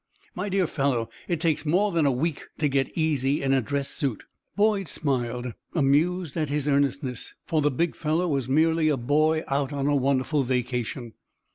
"My dear fellow, it takes more than a week to 'get easy' in a dress suit." Boyd smiled, amused at his earnestness, for the big fellow was merely a boy out on a wonderful vacation.